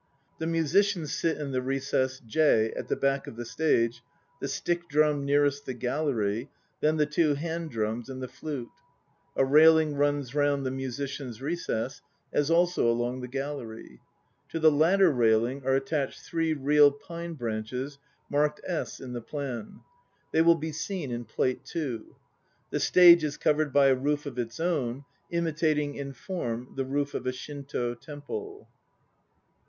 The musicians sit in the recess (J) at the back of the stage, the stick drum nearest the "gallery," then the two hand drums and the flute. A railing runs round the musician's recess, as also along the gallery. To the latter railing are attached three real pine branches, marked S in the plan. They will be seen in Plate II. The stage is covered by a roof of its own, imitating in form the roof of a Shintd temple.